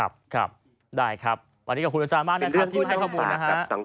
วันนี้ขอขอบคุณอาจารย์มากที่มีให้ข้อมูล